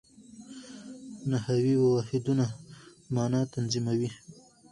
نحوي واحدونه مانا تنظیموي.